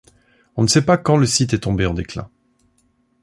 On ne sait pas quand le site est tombé en déclin.